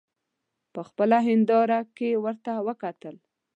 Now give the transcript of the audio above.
په خپله هینداره کې ورته وکتل.